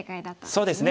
そうですね。